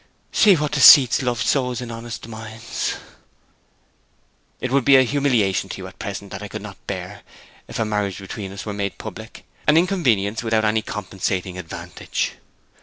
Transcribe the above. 'See what deceits love sows in honest minds!' 'It would be a humiliation to you at present that I could not bear if a marriage between us were made public; an inconvenience without any compensating advantage.'